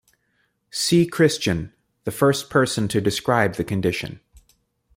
C. Christian, the first person to describe the condition.